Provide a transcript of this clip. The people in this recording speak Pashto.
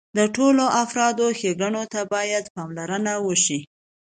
د ټولو افرادو ښېګڼې ته باید پاملرنه وشي.